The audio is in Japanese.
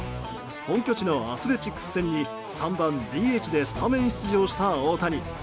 本拠地のアスレチックス戦に３番ＤＨでスタメン出場した大谷。